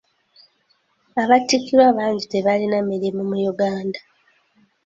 Abattikirwa bangi tebalina mirimu mu Uganda.